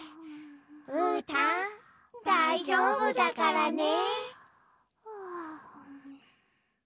うーたんだいじょうぶだからね。